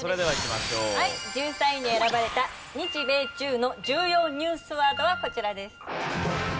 はい１３位に選ばれた日米中の重要ニュースワードはこちらです。